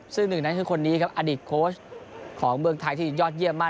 ซึ่งหนึ่งนั้นคือคนนี้ครับอดีตโค้ชของเมืองไทยที่ยอดเยี่ยมมาก